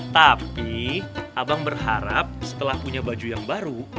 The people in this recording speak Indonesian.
tapi abang berharap setelah punya baju yang baru